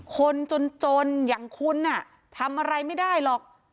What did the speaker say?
คนจนอย่างคุณทำอะไรไม่ได้หรอก